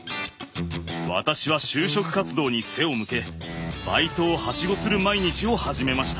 私は就職活動に背を向けバイトをはしごする毎日を始めました。